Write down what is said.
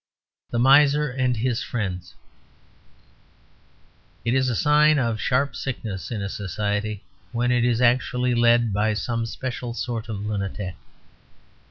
THE MISER AND HIS FRIENDS It is a sign of sharp sickness in a society when it is actually led by some special sort of lunatic.